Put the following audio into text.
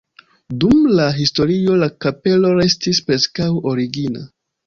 Dum la historio la kapelo restis preskaŭ origina.